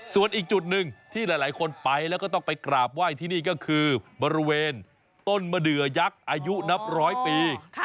ส่วนอีกจุดหนึ่งที่หลายคนไปแล้วก็ต้องไปกราบไหว้ที่นี่ก็คือบริเวณต้นมะเดือยักษ์อายุนับร้อยปี